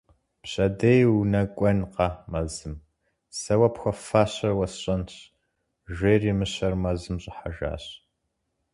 Пщэдей унэкӏуэнкъэ мэзым - сэ уэ пхуэфащэр уэсщӏэнщ, - жери мыщэр мэзым щӏыхьэжащ.